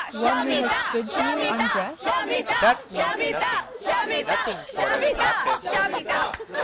One who has stood to you undressed? PROFESSOR RUBEK. That means nothing nothing for us artists.